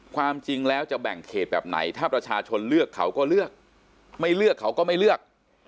ความจริงแล้วจะแบ่งเขตแบบไหนถ้าประชาชนเลือกเขาก็เลือกไม่เลือกเขาก็ไม่เลือก